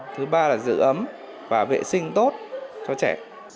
thứ ba là giữ ấm và vệ sinh tốt cho trẻ